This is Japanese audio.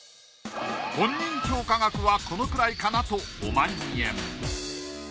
本人評価額はこのくらいかなと５万円。